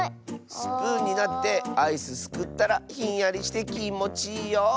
スプーンになってアイスすくったらひんやりしてきもちいいよきっと。